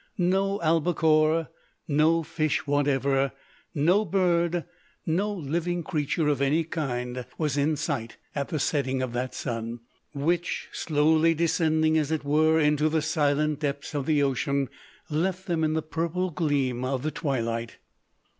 No albacore, no fish whatever, no bird, no living creature of any kind, was in sight at the setting of that sun; which, slowly descending, as it were, into the silent depths of the ocean, left them in the purple gleam of the twilight.